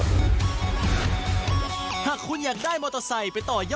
วันนี้มันวันที่เท่าไหร่เนี่ย